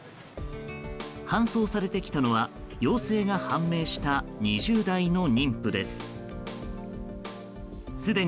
搬送されてきたのは陽性が判明した２０代の妊婦です。